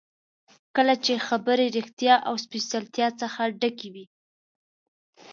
کله چې خبرې ریښتیا او سپېڅلتیا څخه ډکې وي.